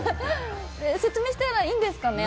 説明したらいいんですかね。